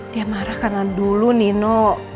dia marah karena dulu nino